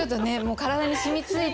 体に染みついて。